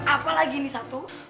apa lagi ini satu